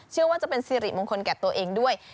เชื่อว่าจะเป็นสิริมงคลแก่ตัวเองด้วย